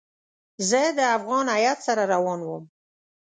زه د افغان هیات سره روان وم.